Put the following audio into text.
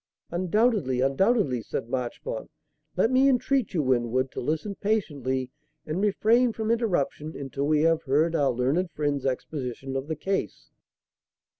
"Undoubtedly, undoubtedly," said Marchmont. "Let me entreat you, Winwood, to listen patiently and refrain from interruption until we have heard our learned friend's exposition of the case."